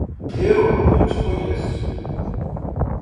Eu não te conheço!